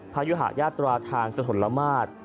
พระยุหะญาตราทางสถนละมาตร